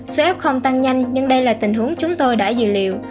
số f tăng nhanh nhưng đây là tình huống chúng tôi đã dự liệu